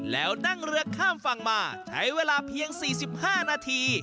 แล้วนั่งเรือข้ามฝั่งมาใช้เวลาเพียง๔๕นาที